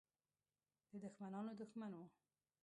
د دښمنانو دښمن وو.